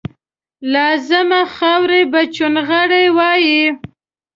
لازما خاوره به چونغره وایي